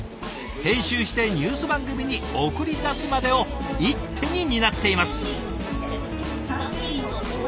編集してニュース番組に送り出すまでを一手に担っています。